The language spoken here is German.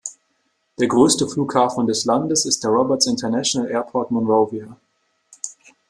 Der größte Flughafen des Landes ist der Roberts International Airport Monrovia.